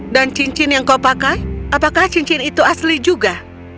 dan cincin yang kau pakai apakah cincin itu asli juga